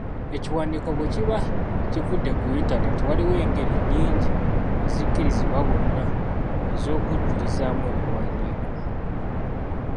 Ekiwandiiko bwe kiba kivudde ku Internet waliwo engeri nnyingi ezikkirizibwa wonna ez’okujulizaamu ebiwandiiko.